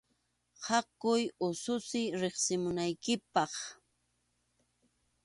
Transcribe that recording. Haku ususiy riqsimunaykipaq.